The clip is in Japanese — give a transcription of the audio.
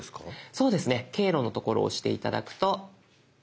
そうですね「経路」の所を押して頂くと。